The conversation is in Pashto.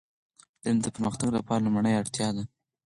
علم د پرمختګ لپاره لومړنی اړتیا ده.